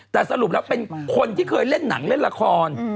แต่สรุปแล้วเป็นคนที่เคยเล่นหนังเล่นละคร